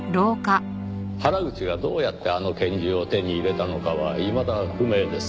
原口がどうやってあの拳銃を手に入れたのかはいまだ不明です。